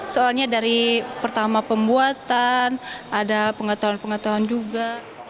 soalnya dari pertama pembuatan ada pengetahuan pengetahuan juga